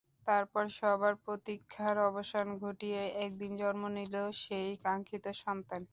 তারপর সবার প্রতীক্ষার অবসান ঘটিয়ে একদিন জন্ম নিল সেই কাঙ্ক্ষিত সন্তান।